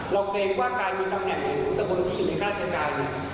เราเกรงว่ากลายพูดตำแหน่งที่ยื้อข้าดสกาย